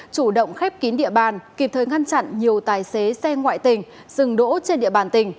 chủ động khép kín địa bàn kịp thời ngăn chặn nhiều tài xế xe ngoại tình dừng đỗ trên địa bàn tỉnh